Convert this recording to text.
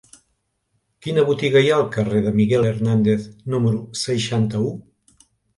Quina botiga hi ha al carrer de Miguel Hernández número seixanta-u?